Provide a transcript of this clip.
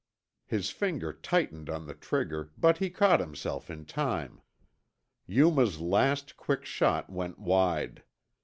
His finger tightened on the trigger, but he caught himself in time. Yuma's last, quick shot went wide.